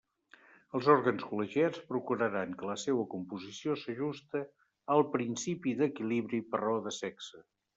Els òrgans col·legiats procuraran que la seua composició s'ajuste al principi d'equilibri per raó de sexe.